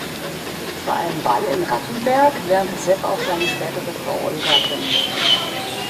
Bei einem Ball in Rattenberg lernte Sepp auch seine spätere Frau Olga kennen.